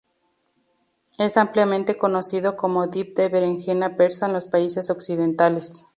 Es ampliamente conocido como Dip de berenjena persa en los países occidentales.